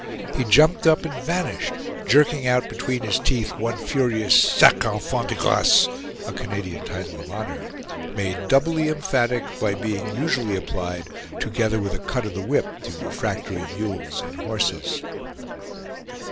He jumped up and vanished, jerking out between his teeth one furious sacre enfant de grace, a Canadian title of honor, made doubly emphatic by being usually applied together with a cut of the whip to refractory mules and horses.